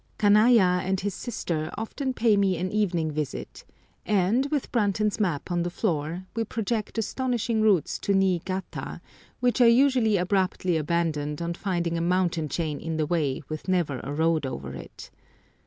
Kanaya and his sister often pay me an evening visit, and, with Brunton's map on the floor, we project astonishing routes to Niigata, which are usually abruptly abandoned on finding a mountain chain in the way with never a road over it.